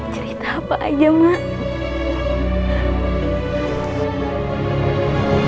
cerita apa aja mak